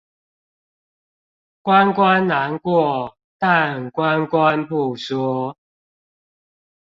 關關難過，但關關不說